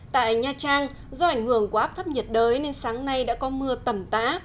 tại nha trang do ảnh hưởng của áp thấp nhiệt đới nên sáng nay đã có mưa tẩm tã